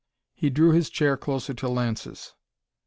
He drew his chair closer to Lance's.